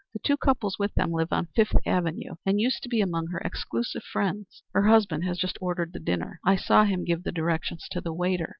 The two couples with them live on Fifth Avenue, and used to be among her exclusive friends. Her husband has just ordered the dinner. I saw him give the directions to the waiter.